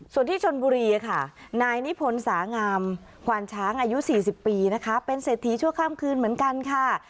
ส่วนที่ชนบุรีค่ะนายนิพนธ์สางามควานช้างอายุ๔๐ปีนะคะเป็นเศรษฐีชั่วข้ามคืนเหมือนกันค่ะ